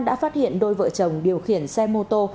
đã phát hiện đôi vợ chồng điều khiển xe mô tô